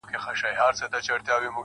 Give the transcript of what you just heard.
لږ دي د حُسن له غروره سر ور ټیټ که ته.